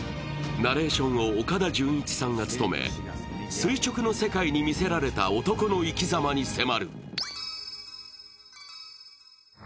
ナレーションを岡田准一さんが務め垂直の世界にみせられた男の生きざまに迫る。